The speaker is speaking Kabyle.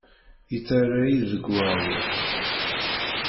Yettarra-yi deg uɛewwiq.